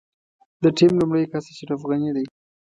د ټيم لومړی کس اشرف غني دی.